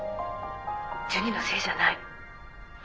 ジュニのせいじゃない。